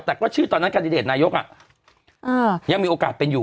แต่ก็ชื่อตอนนั้นแคนดิเดตนายกยังมีโอกาสเป็นอยู่